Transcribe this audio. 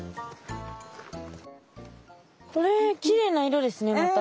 これきれいな色ですねまた。